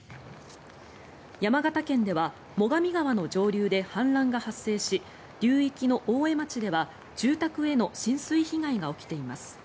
山形県では最上川の上流で氾濫が発生し流域の大江町では住宅への浸水被害が起きています。